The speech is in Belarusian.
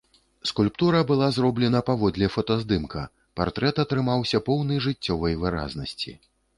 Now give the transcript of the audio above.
Скульптура была зроблена паводле фотаздымка, партрэт атрымаўся поўны жыццёвай выразнасці.